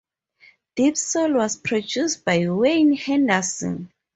Deep Soul was produced by Wayne Henderson.